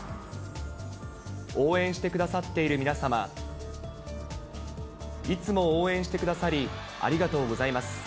応援してくださっている皆様、いつも応援してくださり、ありがとうございます。